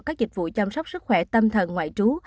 các dịch vụ chăm sóc sức khỏe tâm thần ngoại trú